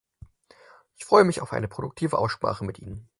Ich freue mich auf eine produktive Aussprache mit Ihnen.